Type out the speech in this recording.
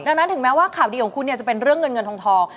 ดังนั้นถึงแม้ว่าข่าวดีของคุณเนี่ยจะเป็นเรื่องเงินเงินทอง